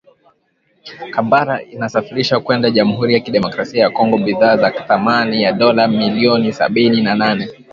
Kampala inasafirisha kwenda Jamuhuri ya Kidemokrasia ya Kongo bidhaa za thamani ya dola milioni sabini na nne